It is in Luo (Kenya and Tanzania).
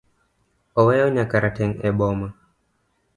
Oweyo nya karateng' e boma.